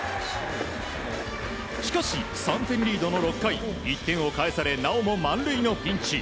しかし、３点リードの６回１点を返されなおも満塁のピンチ。